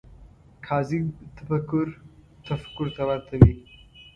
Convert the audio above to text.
کاذب تفکر تفکر ته ورته وي